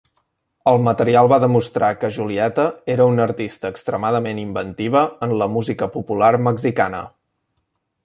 El material va demostrar que Julieta era una artista extremadament inventiva en la música popular mexicana.